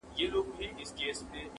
• تاته رسیږي له خپله لاسه -